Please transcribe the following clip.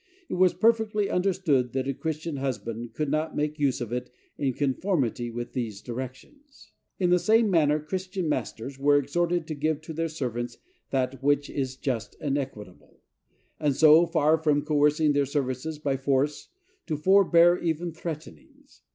It was perfectly understood that a Christian husband could not make use of it in conformity with these directions. In the same manner Christian masters were exhorted to give to their servants that which is just and equitable; and, so far from coercing their services by force, to forbear even threatenings.